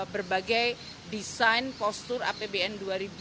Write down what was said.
berbagai desain postur apbn dua ribu dua puluh